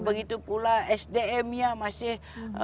begitu pula sdmnya masih